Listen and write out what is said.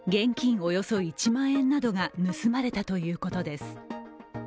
およそ１万円などが盗まれたということです。